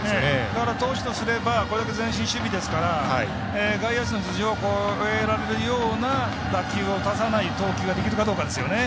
だから投手とすれば前進守備ですから外野手の頭上を越えられるような打球を打たさない投球ができるかどうかですよね。